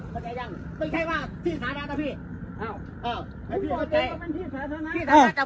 เข้ายังเป็นแค่ว่าที่สาธารณะพี่อ้าวอ้าวพี่บอกว่าเป็นที่สาธารณะพี่สาธารณะ